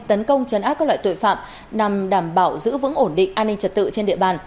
tấn công chấn áp các loại tội phạm nhằm đảm bảo giữ vững ổn định an ninh trật tự trên địa bàn